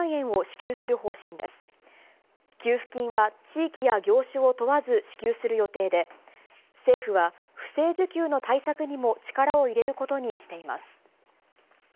給付金は、地域や業種を問わず支給する予定で、政府は、不正受給の対策にも力を入れることにしています。